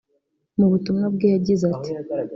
Mu butumwa bwe yagize ati